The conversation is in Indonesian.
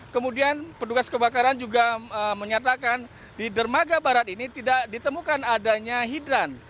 kemudian petugas kebakaran juga menyatakan di dermaga barat ini tidak ditemukan adanya hidran